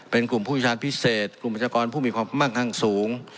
เป็นกลุ่มผู้ยุชาญพิเศษกลุ่มมัจจากรผู้มีความมั่งข้างสูง